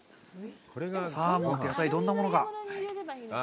サーモンと野菜、どんなものか。